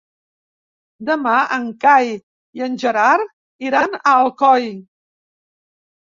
Demà en Cai i en Gerard iran a Alcoi.